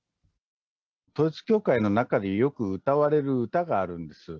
統一教会の中でよく歌われる歌があるんです。